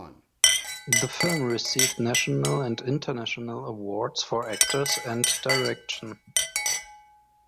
The film received national and international awards for actors and direction.